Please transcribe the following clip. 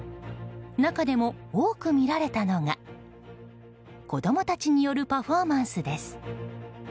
中でも多く見られたのが子供たちによるパフォーマンスです。